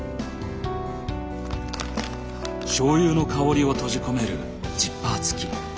醤油の香りを閉じ込めるジッパー付き。